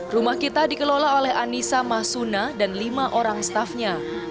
rumah kita dikelola oleh anissa mahsuna dan lima orang staffnya